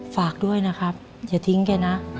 ฝากด้วยนะครับอย่าทิ้งแกนะ